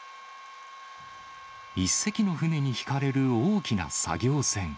１隻の船に引かれる大きな作業船。